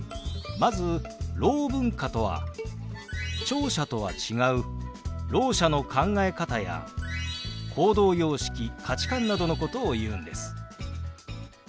まずろう文化とは聴者とは違うろう者の考え方や行動様式価値観などのことを言うんです。